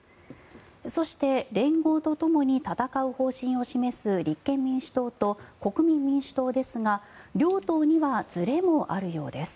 そして連合とともに戦う方針を示す立憲民主党と国民民主党ですが両党にはずれもあるようです。